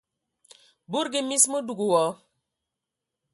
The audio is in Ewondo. Budugi mis, mə dug wa.